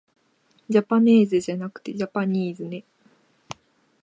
じゃぱねーぜじゃなくてじゃぱにーずね